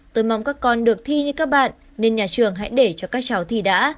tôi mong các con được thi như các bạn nên nhà trường hãy để cho các cháu thi đã